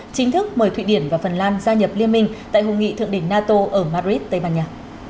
chính thức mời thụy điển và phần lan gia nhập liên minh tại hội nghị thượng đỉnh nato ở madrid tây ban nha